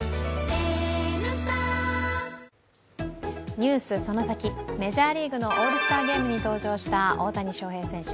「ＮＥＷＳそのサキ！」、メジャーリーグのオールスターゲーム登場した大谷翔平選手。